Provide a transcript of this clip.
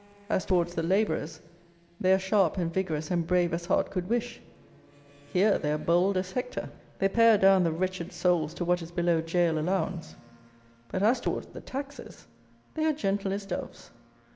As towards the labourers, they are sharp and vigorous and brave as heart could wish; here they are bold as Hector. They pare down the wretched souls to what is below gaol allowance. But, as towards the taxers, they are gentle as doves.